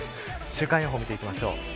週間予報を見ていきます。